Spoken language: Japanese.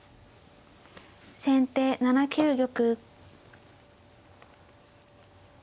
先手７九玉。